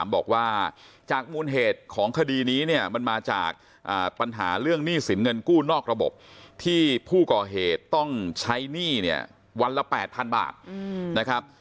บอกว่าจากมูลเหตุของคดีนี้เนี่ยมันมาจากปัญหาเรื่องหนี้สินเงินกู้นอกระบบที่ผู้ก่อเหตุต้องใช้หนี้เนี่ยวันละ๘๐๐๐บาทนะครับ